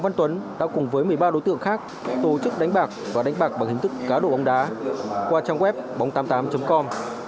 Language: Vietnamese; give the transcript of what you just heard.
tại lúc đó anh tuấn đã cùng với một mươi ba đối tượng khác tổ chức đánh bạc và đánh bạc bằng hình thức cá đổ bóng đá qua trang web bóng tám mươi tám com